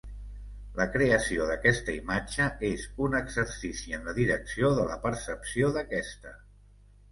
La creació d'aquesta imatge és un exercici en la direcció de la percepció d'aquesta.